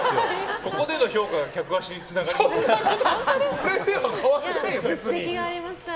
ここでの評価が客足につながりますから。